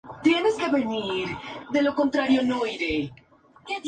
Faltaba aún el reconocimiento de la independencia paraguaya por su antigua metrópoli.